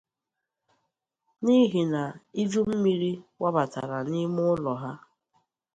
n'ihi na ijummiri wabàtàrà n'ime ụlọ ha